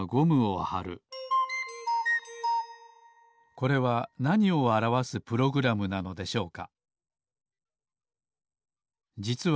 これはなにをあらわすプログラムなのでしょうか？